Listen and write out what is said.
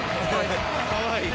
かわいい。